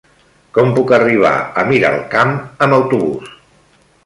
Com puc arribar a Miralcamp amb autobús?